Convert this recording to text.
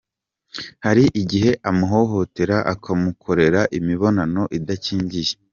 Hari gihe amuhohotera akamukorera imibonano idakingiye.